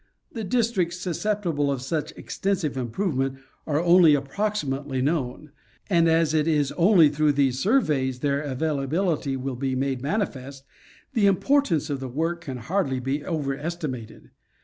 The districts susceptible of such extensive improvement are only approximately known, and 46 National Geographic Magazine. as it is only through these surveys their availability will be made manifest, the importance of the work can hardly be overestimated.